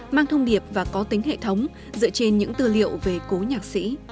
mang thông điệp và có tính hệ thống dựa trên những tư liệu về cố nhạc sĩ